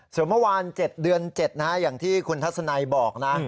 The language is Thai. ส่วนเมื่อวาน๗เดือน๗นะฮะอย่างที่คุณทัศนัยบอกนะ